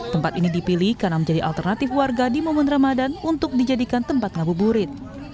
tempat ini dipilih karena menjadi alternatif warga di momen ramadan untuk dijadikan tempat ngabuburit